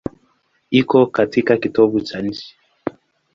Iko katika kitovu cha nchi.